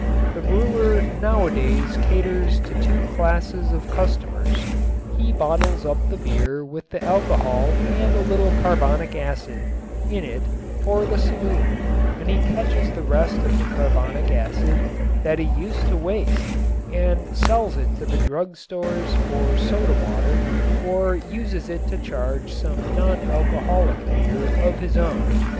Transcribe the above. The brewer nowadays caters to two classes of customers. He bottles up the beer with the alcohol and a little carbonic acid in it for the saloon and he catches the rest of the carbonic acid that he used to waste and sells it to the drug stores for soda water or uses it to charge some non alcoholic beer of his own.